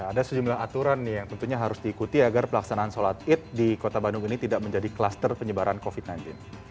ada sejumlah aturan nih yang tentunya harus diikuti agar pelaksanaan sholat id di kota bandung ini tidak menjadi kluster penyebaran covid sembilan belas